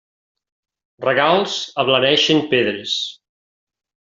Regals ablaneixen pedres.